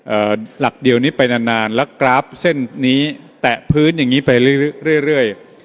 หลักเดียวนี้ไปนานนานแล้วกราฟเส้นนี้แตะพื้นอย่างงี้ไปเรื่อยเรื่อยเรื่อย